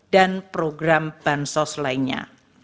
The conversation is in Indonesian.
dan program bansos lainnya